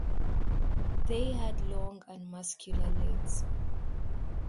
They had long and muscular legs.